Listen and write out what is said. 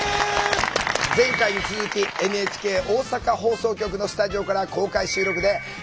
前回に続きＮＨＫ大阪放送局のスタジオから公開収録でみんなで考えていきます。